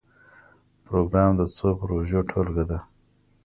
پروګرام د څو پروژو ټولګه ده